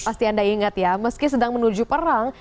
pasti anda ingat ya meski sedang menuju perang